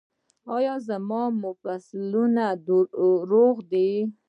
ایا زما مفصلونه روغ دي؟